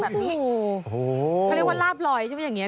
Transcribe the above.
เขาเรียกว่าลาบลอยใช่ไหมอย่างนี้